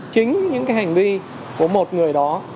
chính những cái hành vi của một người đó